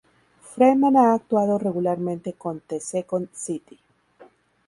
Freeman ha actuado regularmente con The Second City.